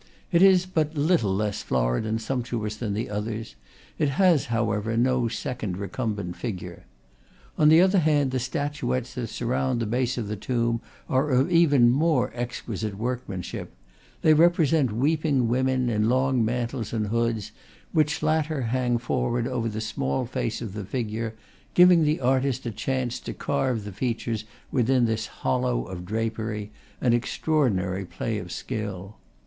It is but little less florid and sump tuous than the others; it has, however, no second re cumbent figure. On the other hand, the statuettes that surround the base of the tomb are of even more exquisite workmanship: they represent weeping wo men, in long mantles and hoods, which latter hang forward over the small face of the figure, giving the artist a chance to carve the features within this hollow of drapery, an extraordinary play of skill.